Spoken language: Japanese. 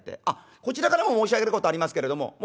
あっこちらからも申し上げることありますけれども。